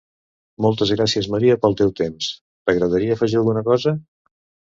Moltes gràcies Maria pel teu temps, t'agradaria afegir alguna cosa?